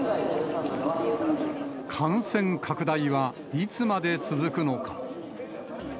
感染拡大は、いつまで続くのか。